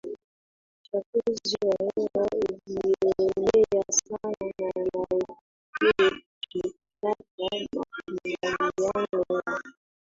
Uchafuzi wa Hewa Ulioenea Sana na Unaokithiri Mipaka makubaliano ya